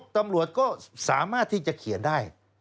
ตำรวจก็สามารถที่จะเขียนได้